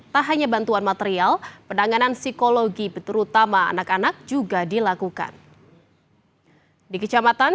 tak hanya bantuan material penanganan psikologi terutama anak anak juga dilakukan